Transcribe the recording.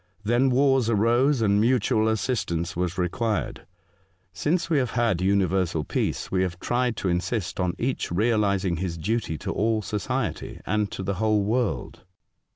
Then wars arose, and mutual as sistance was required. Since we have had universal peace, we have tried to insist on each realising his duty to all society, and to the whole world.'